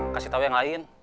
kasih tau yang lain